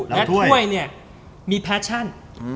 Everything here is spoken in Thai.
และถ้วยเนี่ยมีแฟชั่น